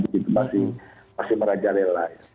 begitu masih masih merajalil lain